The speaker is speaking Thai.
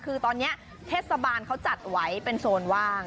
คือตอนนี้เทศบาลเขาจัดไว้เป็นโซนว่าง